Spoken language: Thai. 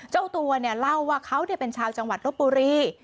เจ้าตัวเนี่ยเล่าว่าเขาเป็นชาวจังหวัดรบบุรี